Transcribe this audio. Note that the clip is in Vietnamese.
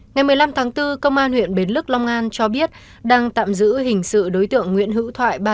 ngày một mươi năm tháng bốn công an huyện bến lức long an cho biết đang tạm giữ hình sự đối tượng nguyễn hữu thoại